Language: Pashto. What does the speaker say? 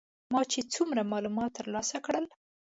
ما چې څومره معلومات تر لاسه کړل.